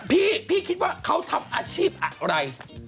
พี่พี่คิดว่าเขาทำอาชีพอะไร